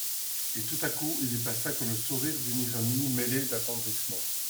Et, tout à coup, il y passa comme le sourire d'une ironie mêlée d'attendrissement.